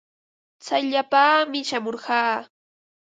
Tsayllapaami shamurqaa.